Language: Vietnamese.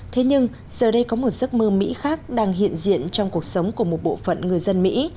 thế nhưng giờ đây có một giấc mơ mỹ khác đang hiện diện trong cuộc sống của một bộ phận người dân mỹ